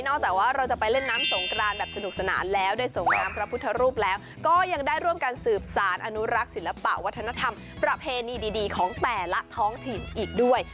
จากว่าเราจะไปเล่นน้ำสงกรานแบบสนุกสนานแล้วได้ส่งน้ำพระพุทธรูปแล้วก็ยังได้ร่วมกันสืบสารอนุรักษ์ศิลปะวัฒนธรรมประเพณีดีของแต่ละท้องถิ่นอีกด้วย